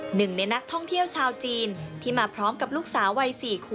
หนึ่งในนักท่องเที่ยวชาวจีนที่มาพร้อมกับลูกสาววัย๔ขวบ